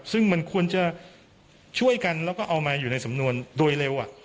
ซึ่งมันควรจะช่วยกันแล้วก็เอามาอยู่ในสำนวนโดยเร็ว